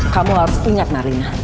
kamu harus ingat marlina